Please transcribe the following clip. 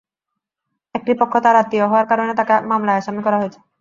একটি পক্ষ তাঁর আত্মীয় হওয়ার কারণে তাঁকে মামলায় আসামি করা হয়েছে।